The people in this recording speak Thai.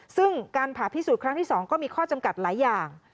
ซึ่งการผ่าพิสูจน์ครั้งที่๒ก็มีข้อจำกัดหลายอย่าง